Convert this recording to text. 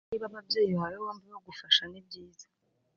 niba ababyeyi bawe bombi bagufasha ni byiza